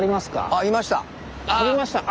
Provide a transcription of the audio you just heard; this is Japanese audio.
あいました。